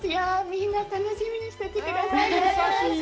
みんな、楽しみにしてくださいね。